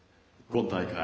今大会